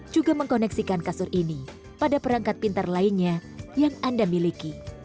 juga mengkoneksikan kasur ini pada perangkat pintar lainnya yang anda miliki